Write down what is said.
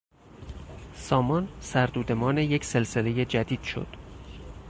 سامان سر دودمان یک سلسلهی جدید شد.